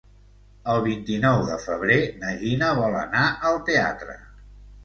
El vint-i-nou de febrer na Gina vol anar al teatre.